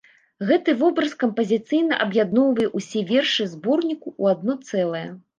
Гэты вобраз кампазіцыйна аб'ядноўвае ўсе вершы зборніку ў адно цэлае.